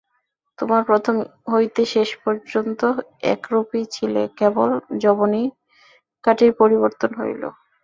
তোমরা প্রথম হইতে শেষ পর্যন্ত একরূপই ছিলে, কেবল যবনিকাটির পরিবর্তন হইল।